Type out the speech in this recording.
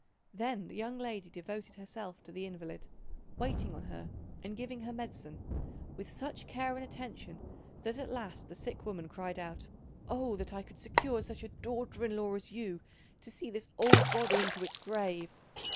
Then the young lady devoted herself to the invalid, waiting on her and giving her medicine with such care and attention that at last the sick woman cried out, "Oh, that I could secure such a daughter in law as you, to see this old body into its grave!"